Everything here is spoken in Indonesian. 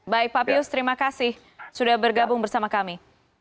baik pak pius terima kasih sudah bergabung bersama kami